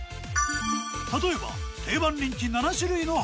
例えば定番人気７種類の花々。